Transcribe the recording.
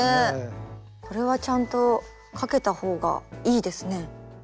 これはちゃんとかけた方がいいですね。